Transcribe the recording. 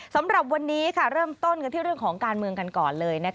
สำหรับวันนี้เริ่มต้นกันที่เรื่องของการเมืองกันก่อนเลย